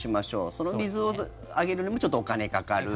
その水をあげるのにもちょっとお金かかる。